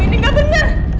ini gak benar